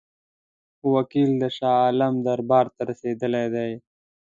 وکیل د شاه عالم دربار ته رسېدلی دی.